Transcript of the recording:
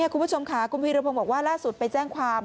คุณผู้ชมค่ะคุณพีรพงศ์บอกว่าล่าสุดไปแจ้งความ